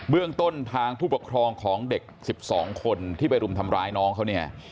เรื่องต้นทางผู้ปกครองของเด็ก๑๒คนที่ไปรุมทำร้ายน้องเขาเนี่ย